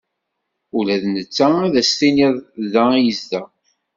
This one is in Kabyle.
Ula d netta ad as-tiniḍ da i yezdeɣ.